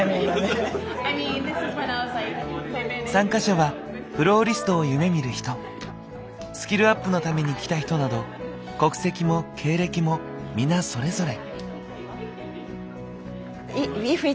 参加者はフローリストを夢みる人スキルアップのために来た人など国籍も経歴も皆それぞれ。